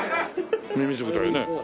ミミズクだよね。